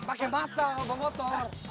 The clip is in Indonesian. pakai mata bawa motor